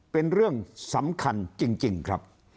เป็นเรื่องสำคัญจริงครับ